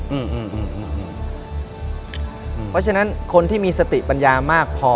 เพราะฉะนั้นคนที่มีสติปัญญามากพอ